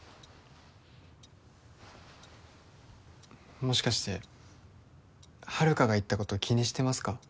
もしかして遥が言ったこと気にしてますか？